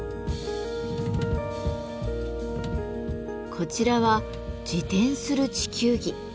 こちらは自転する地球儀。